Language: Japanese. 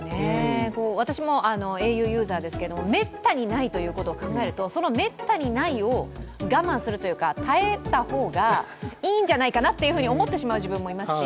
私もａｕユーザーですけど、めったにないことを考えると、そのめったにないを我慢するというか、耐えた方がいいんじゃないかなと思ってしまう自分もいますし。